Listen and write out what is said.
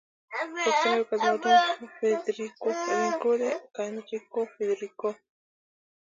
پوښتنه يې وکړه چې زما نوم فریدریکو انریکو دی که انریکو فریدریکو؟